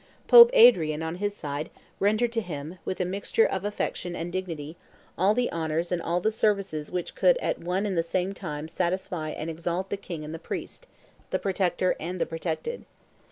Pope Adrian, on his side, rendered to him, with a mixture of affection and dignity, all the honors and all the services which could at one and the same time satisfy and exalt the king and the priest, the protector and the protected.